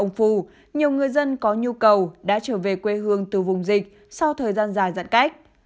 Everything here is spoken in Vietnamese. trong phù nhiều người dân có nhu cầu đã trở về quê hương từ vùng dịch sau thời gian dài giãn cách